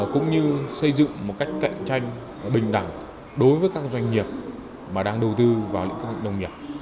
cũng như xây dựng một cách cạnh tranh bình đẳng đối với các doanh nghiệp mà đang đầu tư vào lĩnh các nông nghiệp